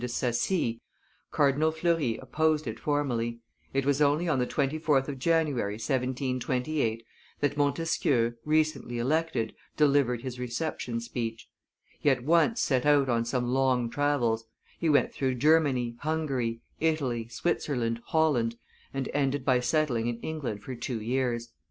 de Sacy, Cardinal Fleury opposed it formally. It was only on the 24th of January, 1728, that Montesquieu, recently elected, delivered his reception speech. He at once set out on some long travels; he went through Germany, Hungary, Italy, Switzerland, Holland, and ended by settling in England for two years.